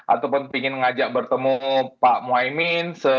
ataupun ingin mengajak bertemu pak muhaymin